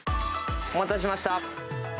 お待たせしました。